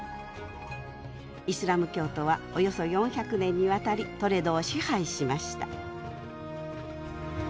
イスラム教徒はおよそ４００年にわたりトレドを支配しました。